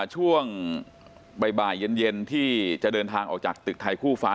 ช่วงบ่ายเย็นที่จะเดินทางออกจากตึกไทยคู่ฟ้า